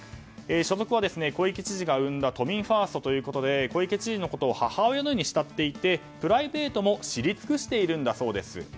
所属は小池知事が生んだ都民ファーストということで小池知事のことを母親のように慕っておりプライベートのことも知り尽くしているんだそうです。